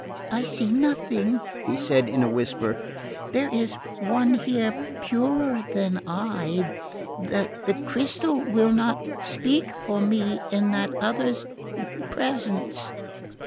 "I see nothing," he said in a whisper. "There is one here purer than I...the crystal will not speak for me in that other's presence..."